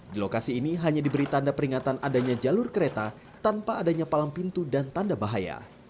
di lokasi ini hanya diberi tanda peringatan adanya jalur kereta tanpa adanya palang pintu dan tanda bahaya